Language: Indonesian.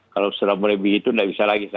kalau sudah mulai begitu tidak bisa lagi